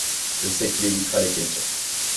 Je sais qu’il évitera les questions.